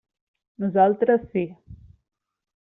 Nosaltres sí.